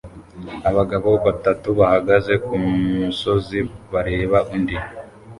Abagabo batatu bahagaze kumusozi bareba undi